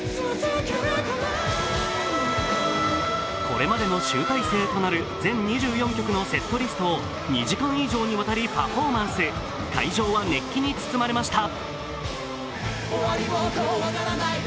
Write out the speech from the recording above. これまでの集大成となる全２４曲のセットリストを２時間以上にわたりパフォーマンス会場は熱気に包まれました。